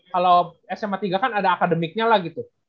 kalau sma tiga kan ada akademiknya lah gitu